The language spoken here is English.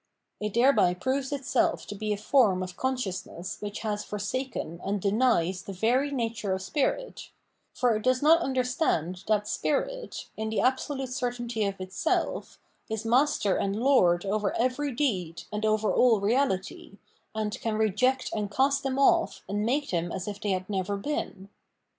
It thereby proves itself to be a form of consciousness which has forsaken and deni^ the very nature of spirit ; for it does not understand that spirit, in the absolute certainty of itself, is master and lord over every deed, and over all reality, and can reject and cast them off and make them as if they had never been.